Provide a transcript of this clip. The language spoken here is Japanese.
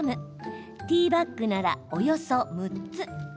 ティーバッグなら、およそ６つ。